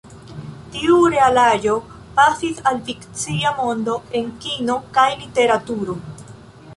Tiu realaĵo pasis al fikcia mondo en kino kaj literaturo.